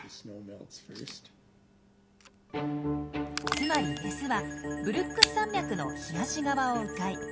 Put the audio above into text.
つまりメスはブルックス山脈の東側を迂回。